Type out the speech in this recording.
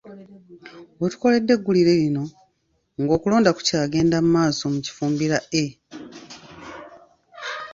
We tukoledde eggulire lino ng'okulonda kukyagenda mu maaso mu Kifumbira A.